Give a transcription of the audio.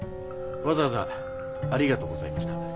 わざわざありがとうございました。